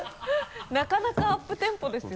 なかなかアップテンポですよね。